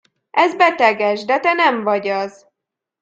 Ez beteges, de te nem vagy az.